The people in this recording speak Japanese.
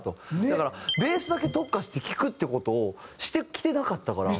だからベースだけ特化して聴くって事をしてきてなかったから。